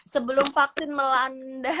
sebelum vaksin melanda